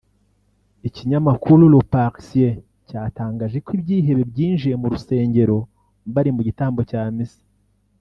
Ikinyamakuru le Parisien cyatangaje ko ibyihebe byinjiye mu rusengero bari mu gitambo cya misa